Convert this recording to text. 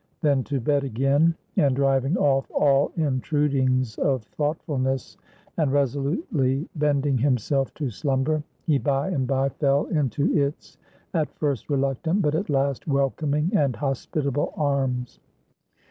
Then to bed again, and driving off all intrudings of thoughtfulness, and resolutely bending himself to slumber, he by and by fell into its at first reluctant, but at last welcoming and hospitable arms.